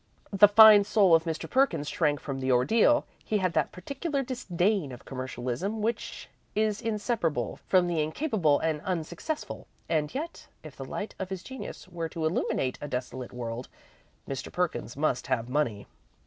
The fine soul of Mr. Perkins shrank from the ordeal. He had that particular disdain of commercialism which is inseparable from the incapable and unsuccessful, and yet, if the light of his genius were to illuminate a desolate world, Mr. Perkins must have money.